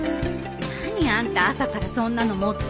何あんた朝からそんなの持って。